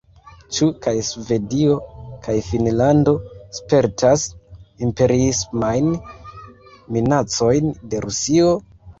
Ĉu kaj Svedio kaj Finnlando spertas imperiismajn minacojn de Rusio?